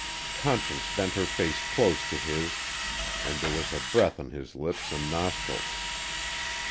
Conscience bent her face close to his and there was breath on his lips and nostrils.